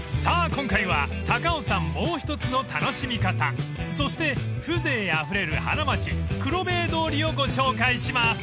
今回は高尾山もう一つの楽しみ方そして風情あふれる花街黒塀通りをご紹介します］